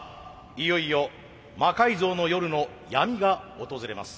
いよいよ「魔改造の夜」の闇が訪れます。